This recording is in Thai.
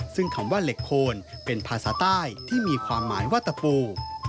ซึ่งคำว่าเหล็กโคนเป็นภาษาใต้ที่มีความหมายว่าตะปู